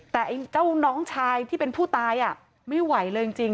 แต่เจ้าน้องชายที่เป็นผู้ตายไม่ไหวเลยจริง